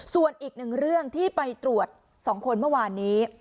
ส่วนอีกหนึ่งเรื่องที่ไปตรวจ๒คนเมื่อวานนี้